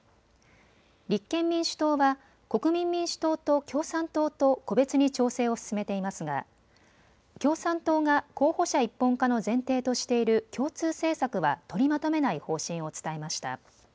立憲民主党は国民民主党と共産党と個別に調整を進めていますが共産党が候補者一本化の前提としている共通政策は取りまとめない方針を伝えました。